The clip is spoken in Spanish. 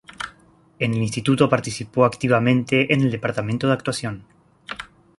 En el instituto participó activamente en el departamento de actuación.